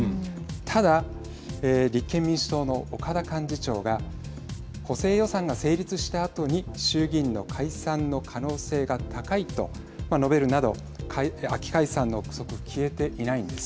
ただ、立憲民主党の岡田幹事長が補正予算が成立したあとに衆議院の解散の可能性が高いと述べるなど秋解散の臆測消えていないんです。